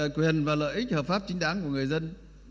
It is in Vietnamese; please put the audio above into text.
quyền và lợi ích hợp pháp chính đáng của người dân